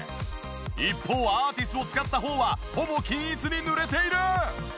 一方アーティスを使った方はほぼ均一に塗れている！